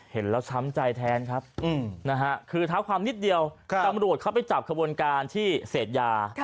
เห็นแล้วช้ำใจแทนครับคือเท้าความนิดเดียวตำรวจเข้าไปจับขบวนการที่เสพยา